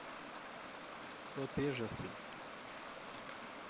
Proteja-se